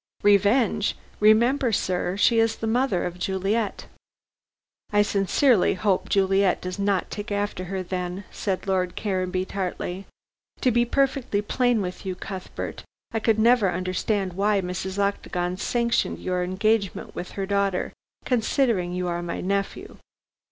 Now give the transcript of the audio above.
"Revenge! remember, sir, she is the mother of Juliet." "I sincerely hope Juliet does not take after her, then," said Lord Caranby, tartly. "To be perfectly plain with you, Cuthbert, I could never understand why Mrs. Octagon sanctioned your engagement with her daughter, considering you are my nephew."